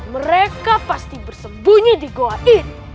mereka pasti bersembunyi di goa itu